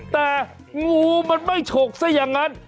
แต่งูมันไม่ฉกซะอย่างนั้น